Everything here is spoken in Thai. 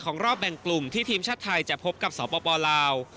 รอบแบ่งกลุ่มที่ทีมชาติไทยจะพบกับสปลาว